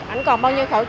anh còn bao nhiêu